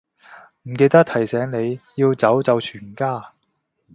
唔記得提醒你，要走就全家